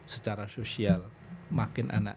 secara sosial makin anak